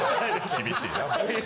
厳しい。